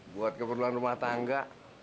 buat keperluan rumah tangga